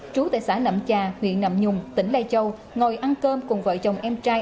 chú tại xã nậm trà huyện nậm nhùng tỉnh lê châu ngồi ăn cơm cùng vợ chồng em trai